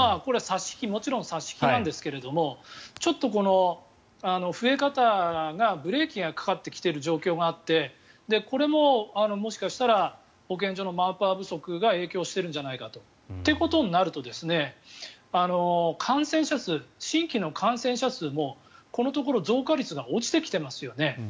もちろんこれは差し引きなんですけれどちょっと増え方がブレーキがかかってきている状況があってこれも、もしかしたら保健所のマンパワー不足が影響しているんじゃないかと。ということになると新規の感染者数もこのところ増加率が落ちてきていますよね。